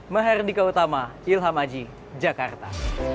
mahardika utama ilham aji jakarta